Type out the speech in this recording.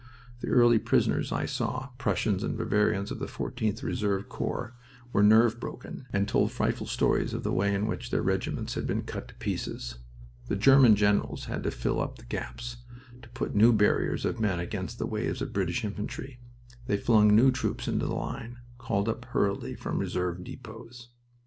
The early prisoners I saw Prussians and Bavarians of the 14th Reserve Corps were nerve broken, and told frightful stories of the way in which their regiments had been cut to pieces. The German generals had to fill up the gaps, to put new barriers of men against the waves of British infantry. They flung new troops into the line, called up hurriedly from reserve depots.